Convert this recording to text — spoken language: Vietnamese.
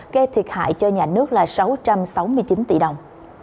gây thiệt hại cho nhà nước là sáu trăm sáu mươi chín tỷ đồng